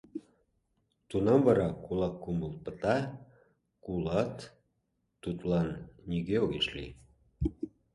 Тунам вара кулак «кумыл» пыта, кулат тудлан нигӧ огеш лий.